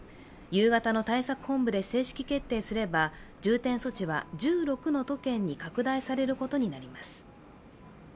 夕方の対策本部で正式決定すれば重点措置は１６の都県に拡大されることになります。